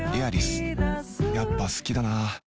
やっぱ好きだな